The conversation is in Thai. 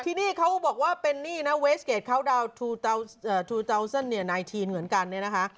ที่นี่เขาบอกว่าเป็นนี่นะเวสเกตคาวดาวน์๒๐๑๙เหมือนกันเนี่ยนะฮะ